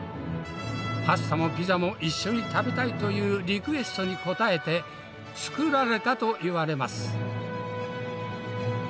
パスタもピザも一緒に食べたいというリクエストにこたえて作られたと言われます。